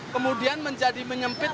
kemudian menjadi menyempit